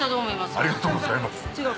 ありがとうございます。